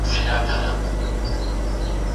دا غږ د ده د خپل روح انعکاس و.